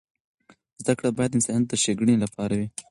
زده کړه باید د انسانیت د ښیګڼې لپاره وي.